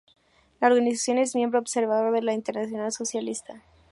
La organización es miembro observador de la Internacional Socialista.